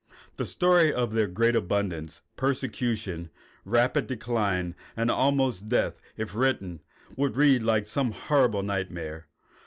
The story of their great abundance, persecution, rapid decline, and almost death, if written, would read like some horrible nightmare.